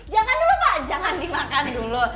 jangan dulu pak jangan dimakan dulu